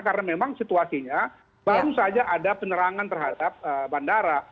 karena memang situasinya baru saja ada penerangan terhadap bandara